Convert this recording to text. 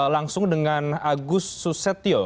langsung dengan agus susetio